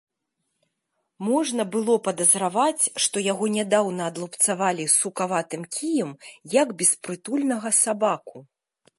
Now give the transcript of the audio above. Можна было падазраваць, што яго нядаўна адлупцавалі сукаватым кіем, як беспрытульнага сабаку.